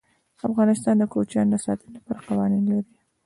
افغانستان د کوچیان د ساتنې لپاره قوانین لري.